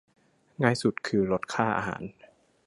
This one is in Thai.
ง่ายสุดคือลดค่าอาหาร